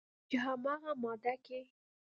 چې همغه ماده کې